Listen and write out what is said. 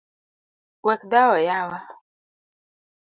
Wek dhawo yawa.